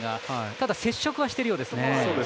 ただ、接触はしているようですね。